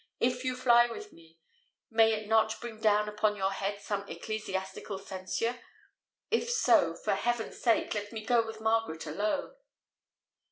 "If you fly with me, may it not bring down upon your head some ecclesiastical censure? If so, for heaven's sake, let me go with Margaret alone."